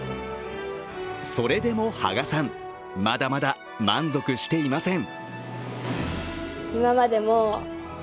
それでも芳我さん、まだまだ満足していません。